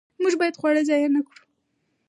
موږ باید خواړه ضایع نه کړو.